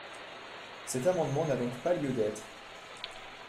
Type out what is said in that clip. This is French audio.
Cet amendement n’a donc pas lieu d’être.